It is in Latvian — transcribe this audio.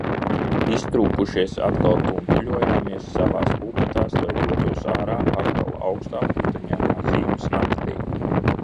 Iztrūkušies atkal tuntuļojamies savās lupatās, lai dotos ārā atkal aukstā puteņainā ziemas naktī.